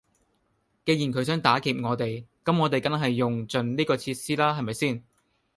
既然佢想打劫我哋，咁我哋梗係用盡呢個設施啦係咪先？